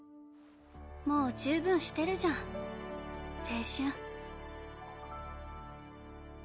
もう十分してるじゃん青春。